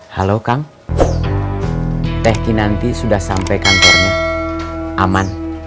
halo kang teh kinanti sudah sampai kantornya aman